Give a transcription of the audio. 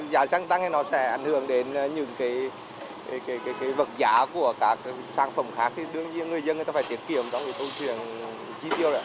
giá xăng tăng sẽ ảnh hưởng đến những vật giá của các sản phẩm khác người dân phải tiết kiệm tôn truyền chi tiêu